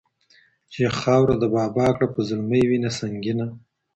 چي یې خاوره د بابا کړه په زلمۍ وینه سنګینه